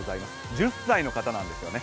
１０歳の方なんですよね。